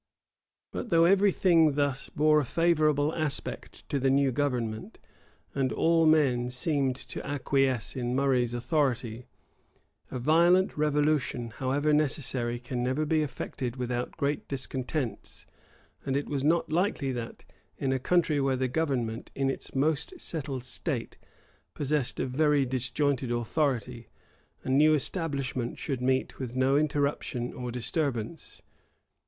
But though every thing thus bore a favorable aspect to the new government, and all men seemed to acquiesce in Murray's authority, a violent revolution, however necessary, can never be effected without great discontents; and it was not likely that, in a country where the government, in its most settled state, possessed a very disjointed authority, a new establishment should meet with no interruption or disturbance.